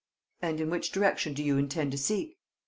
"And in which direction do you intend to seek?"